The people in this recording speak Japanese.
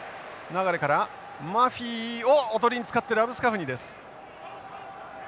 流からマフィをおとりに使ってラブスカフニです。